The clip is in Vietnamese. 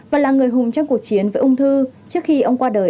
và là người hùng trong cuộc chiến với ung thư trước khi ông qua đời ở tuổi tám mươi hai